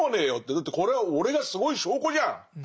だってこれは俺がすごい証拠じゃんっていう。